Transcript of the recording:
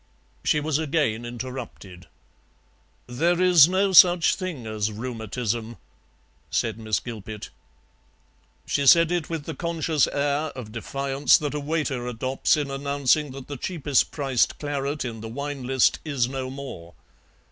She was again interrupted. "There is no such thing as rheumatism," said Miss Gilpet. She said it with the conscious air of defiance that a waiter adopts in announcing that the cheapest priced claret in the wine list is no more.